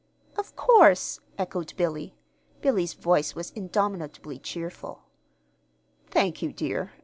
"Of course," echoed Billy. Billy's voice was indomitably cheerful. "Thank you, dear.